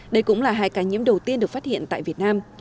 đây cũng là hai ca nhiễm đầu tiên được phát hiện tại việt nam